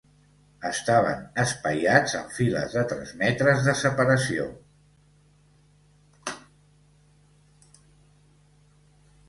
Estaven espaiats, en files de tres metres de separació.